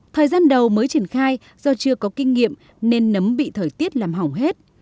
thời gian đầu mới triển khai do chưa có kinh nghiệm nên nấm bị thời tiết làm hỏng hết